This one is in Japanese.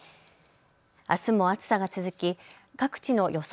あすも暑さが続き各地の予想